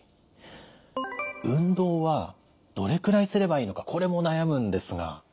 運動はどれくらいすればいいのかこれも悩むんですが。